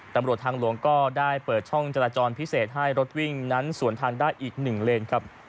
ตำรวจทางหลวงก็ได้เปิดช่องจราจรพิเศษให้รถวิ่งนั้นสวนทางได้อีก๑เลนครับ